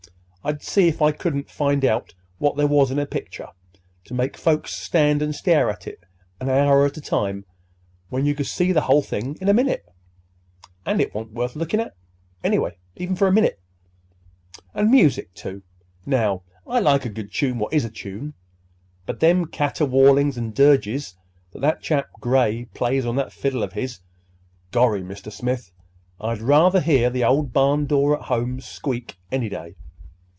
I'd see if I couldn't find out what there was in a picture to make folks stand and stare at it an hour at a time when you could see the whole thing in a minute—and it wa'n't worth lookin' at, anyway, even for a minute. And music, too. Now, I like a good tune what is a tune; but them caterwaulings and dirges that that chap Gray plays on that fiddle of his—gorry, Mr. Smith, I'd rather hear the old barn door at home squeak any day.